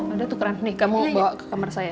udah tukeran nih kamu bawa ke kamar saya